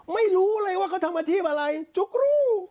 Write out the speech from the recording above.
ไม่รู้เลยว่าเขาทำอาชีพอะไรจุ๊กรู้